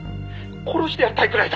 「殺してやりたいくらいだ！」